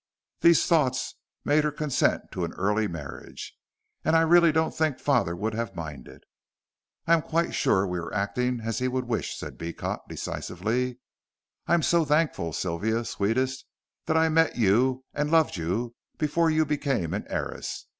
These thoughts made her consent to an early marriage. "And I really don't think father would have minded." "I am quite sure we are acting as he would wish," said Beecot, decisively. "I am so thankful, Sylvia sweetest, that I met you and loved you before you became an heiress.